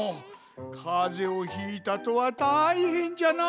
かぜをひいたとはたいへんじゃな！